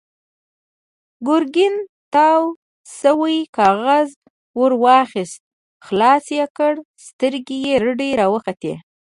ګرګين تاو شوی کاغذ ور واخيست، خلاص يې کړ، سترګې يې رډې راوختې.